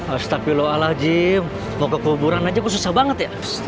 astagfirullahaladzim mau ke kuburan aja kok susah banget ya